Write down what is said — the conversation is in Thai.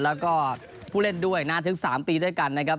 แล้วก็ผู้เล่นด้วยนานถึง๓ปีด้วยกันนะครับ